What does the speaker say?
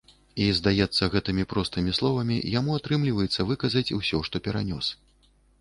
І, здаецца, гэтымі простымі словамі яму атрымліваецца выказаць усё, што перанёс.